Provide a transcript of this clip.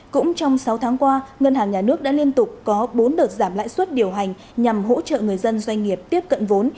cũng trong sáu tháng qua ngân hàng nhà nước đã liên tục có bốn đợt giảm lãi suất điều hành nhằm hỗ trợ người dân doanh nghiệp tiếp cận vốn